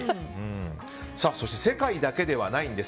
そして世界だけではないんでです。